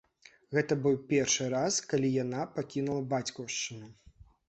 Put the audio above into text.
Гэта быў першы раз, калі яна пакінула бацькаўшчыну.